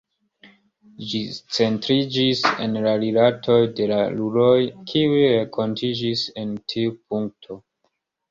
Ĝi centriĝis en la rilatoj de la roluloj, kiuj renkontiĝis en tiu punkto.